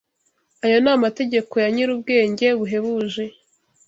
ayo ni amategeko ya Nyirubwenge buhebuje